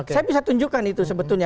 saya bisa tunjukkan itu sebetulnya